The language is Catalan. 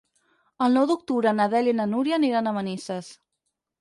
El nou d'octubre na Dèlia i na Núria aniran a Manises.